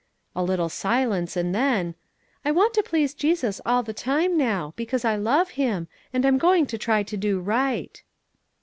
A little silence, and then: "I want to please Jesus all the time now, because I love Him, and I'm going to try to do right."